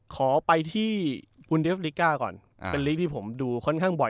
ขอไปที่คุณเดฟลิก้าก่อนเป็นลีกที่ผมดูค่อนข้างบ่อย